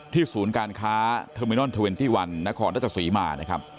ศูนย์การค้าเทอร์มินอนเทอร์เวนตี้วันนครรัชศรีมานะครับ